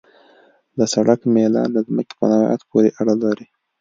د سړک میلان د ځمکې په نوعیت پورې اړه لري